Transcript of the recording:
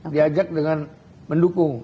diajak dengan mendukung